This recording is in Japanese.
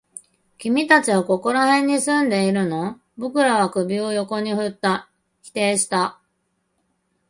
君たちはここら辺に住んでいるのかい？僕らは首を横に振った。否定した。